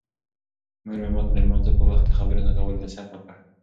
مور مې ماته د لمانځه په وخت د خبرو نه کولو نصیحت وکړ.